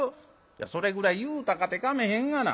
「それぐらい言うたかてかめへんがな。